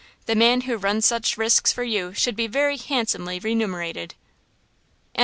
The man who runs such risks for you should be very handsomely remunerated!"